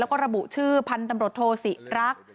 แล้วก็ระบุชื่อพันธุ์ตำรวจโทศิรักษ์